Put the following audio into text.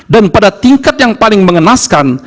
dan pada tingkat yang paling mengenaskan